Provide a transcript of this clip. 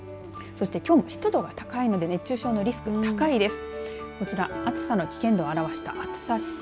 きょうも湿度が高いので熱中症のリスクが高いです。